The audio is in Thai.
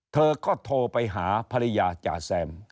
เธอก็โทรไปหาภรรยาจ่าแซม